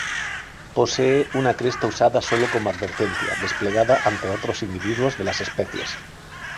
Posee una cresta usada solo como advertencia, desplegada ante otros individuos de las especies.